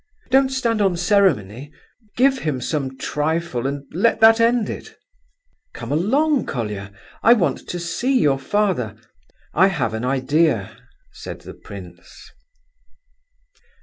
Don't stand on ceremony, give him some trifle, and let that end it." "Come along, Colia, I want to see your father. I have an idea," said the prince.